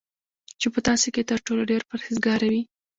چی په تاسی کی تر ټولو ډیر پرهیزګاره وی